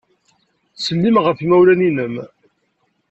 Ttsellim ɣef yimawlan-nnem.